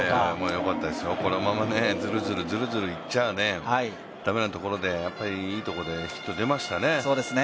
よかったですよ、このままずるずるいっちゃ駄目なところでやっぱりいいところでヒットが出ましたね。